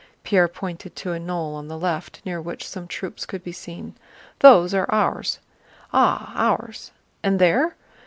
Pierre pointed to a knoll on the left, near which some troops could be seen. "Those are ours." "Ah, ours! And there?..."